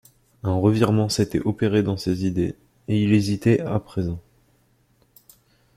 Un revirement s’était opéré dans ses idées, et il hésitait à présent.